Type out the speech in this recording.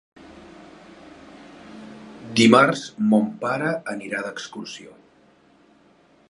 Dimarts mon pare anirà d'excursió.